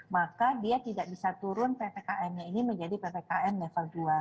maka dia tidak bisa turun ppkmnya ini menjadi ppkm level dua